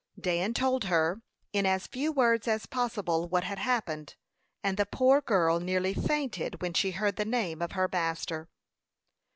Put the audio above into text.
Dan told her, in as few words as possible, what had happened, and the poor girl nearly fainted when she heard the name of her master.